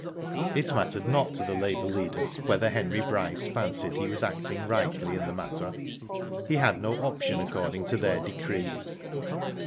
It mattered not to the labour leaders whether Henry Bryce fancied he was acting rightly in the matter. He had no option according to their decree.